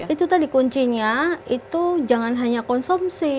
itu tadi kuncinya itu jangan hanya konsumsi